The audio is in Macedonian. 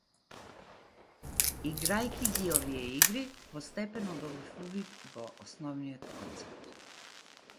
Играјќи ги овие игри постепено добив увид во основниот концепт.